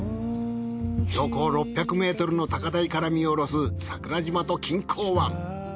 標高６００ｍの高台から見下ろす桜島と錦江湾。